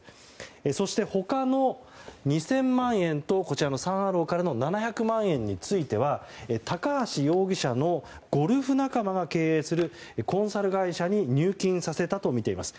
そして、他の２０００万円とサン・アローからの７００万円については高橋容疑者のゴルフ仲間が経営するコンサル会社に入金させたとみています。